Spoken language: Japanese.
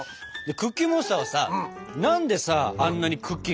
クッキーモンスターはさ何でさあんなにクッキーが好きなの？